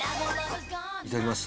いただきます。